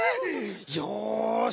よし！